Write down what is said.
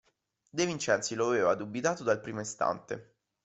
De Vincenzi lo aveva dubitato dal primo istante.